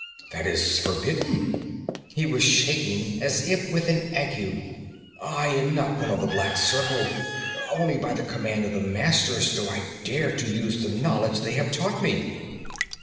'That is forbidden!' He was shaking as if with an ague. 'I am not one of the Black Circle. Only by the command of the masters do I dare to use the knowledge they have taught me.'